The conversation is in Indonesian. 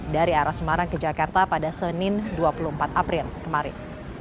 dari arah semarang ke jakarta pada senin dua puluh empat april kemarin